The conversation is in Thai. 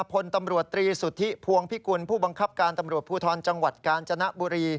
พตสตพทจกจบ